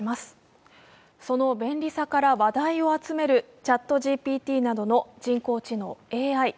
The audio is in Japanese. その便利さから話題を集めるＣｈａｔＧＰＴなどの人工知能・ＡＩ。